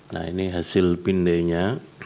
nah ini hasil pindainya